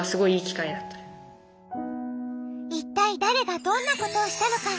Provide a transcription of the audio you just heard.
いったい誰がどんなことをしたのか？